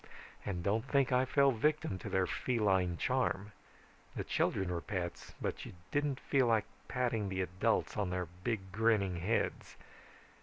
"And don't think I fell victim to their feline charm. The children were pets, but you didn't feel like patting the adults on their big grinning heads.